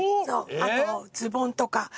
あとズボンとか。